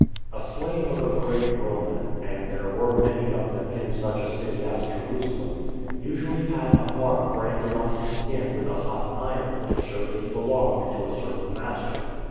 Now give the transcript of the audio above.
A slave of a great Roman (and there were many of them in such a city as Jerusalem) usually had a mark branded on his skin with a hot iron to show that he belonged to a certain master.